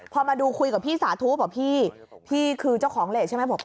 พอมาดูคุยกับพี่สาธุบอกพี่พี่คือเจ้าของเลสใช่ไหมบอก